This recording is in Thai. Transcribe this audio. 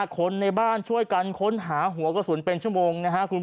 คนในบ้านช่วยกันค้นหาหัวกระสุนเป็นชั่วโมงนะครับ